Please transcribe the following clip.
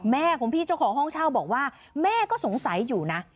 แม่ของพี่เจ้าของห้องเช่าบอกว่าแม่ก็สงสัยอยู่นะ